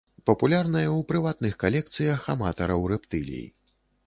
Папулярная ў прыватных калекцыях аматараў рэптылій.